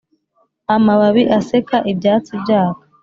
amababi aseka, ibyatsi byaka